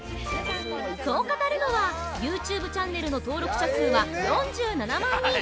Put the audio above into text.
◆そう語るのは、ユーチューブチャンネルの登録者数は４７万人！